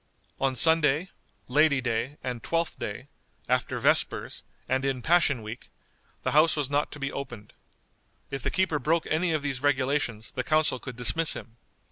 On Sunday, Lady day, and Twelfth day, after vespers, and in Passion Week, the house was not to be opened. If the keeper broke any of these regulations the council could dismiss him.